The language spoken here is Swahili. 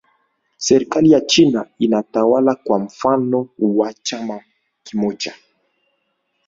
Serikali ya China inatawala kwa mfumo wa chama kimoja